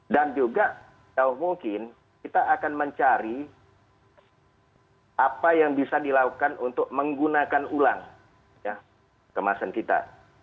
dan juga jauh mungkin kita akan mencari apa yang bisa dilakukan untuk menggunakan ulang kemasan kita